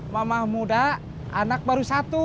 mamah muda anak baru satu